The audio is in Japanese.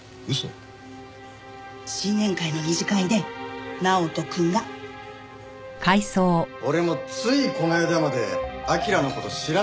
新年会の二次会で直人くんが。俺もついこの間まで彬の事知らなかったの。